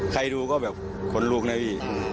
ใครดูก็แบบขนลุกนะพี่